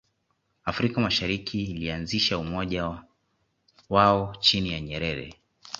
afrika mashariki ilianzisha umoja wao chini ya nyerere